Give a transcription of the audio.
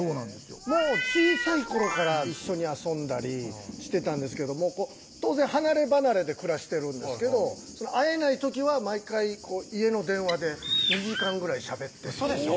もう小さい頃から一緒に遊んだりしてたんですけど当然離れ離れで暮らしてるんですけど会えない時は毎回家の電話で２時間ぐらいしゃべってウソでしょ？